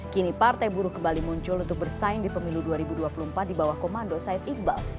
kini partai buruh kembali muncul untuk bersaing di pemilu dua ribu dua puluh empat di bawah komando said iqbal